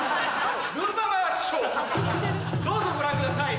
どうぞご覧ください。